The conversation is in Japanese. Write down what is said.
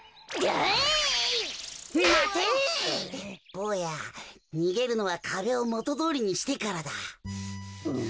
ぼうやにげるのはかべをもとどおりにしてからだ。